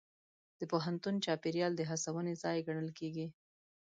د پوهنتون چاپېریال د هڅونې ځای ګڼل کېږي.